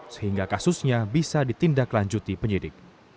sehingga kasusnya bisa ditindaklanjuti penyidik